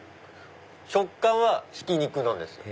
食感はひき肉なんですよ。